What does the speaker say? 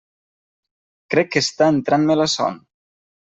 Crec que està entrant-me la son.